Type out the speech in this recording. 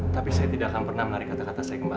tapi saya tidak akan pernah menarik kata kata saya kembali